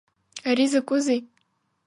Ари закәызи?